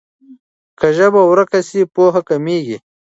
که ژبه ورکه سي پوهه کمېږي.